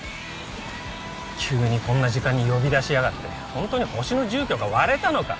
急にこんな時間に呼び出しやがって本当にホシの住居が割れたのか？